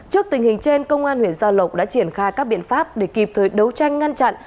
trước tình hình trên công an huyện gia lộc đã triển khai các biện pháp để kịp thời đấu tranh ngăn chặn